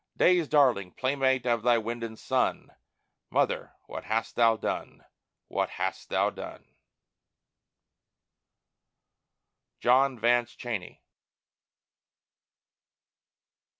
Day's darling, playmate of thy wind and sun Mother, what hast thou done, what hast thou done! JOHN VANCE CHENEY.